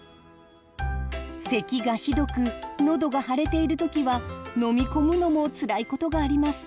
せきがひどくのどが腫れているときは飲み込むのもつらいことがあります。